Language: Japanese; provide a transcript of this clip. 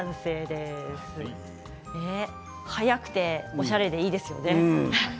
早くておしゃれでいいですよね。